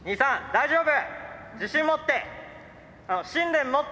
大丈夫！